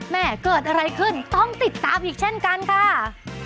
แม่เกิดอะไรขึ้นต้องติดตามอีกเช่นกันค่ะ